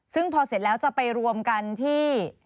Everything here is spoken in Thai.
ซึ่งพอเสร็จแล้วจะไปรวมกันที่